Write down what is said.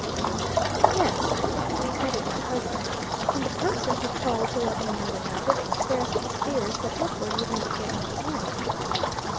"Yes," added my husband, "and the person who called to let me know about it, expressed his fears that Edward would not get up again."